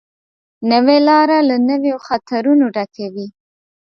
نوې لاره له نویو خطرونو ډکه وي